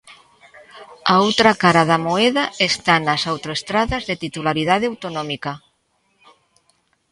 A outra cara da moeda está nas autoestradas de titularidade autonómica.